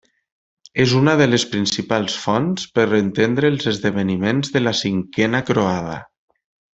És una de les principals fonts per entendre els esdeveniments de la Cinquena Croada.